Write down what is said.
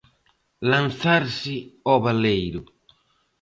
Lanzarse ao baleiro.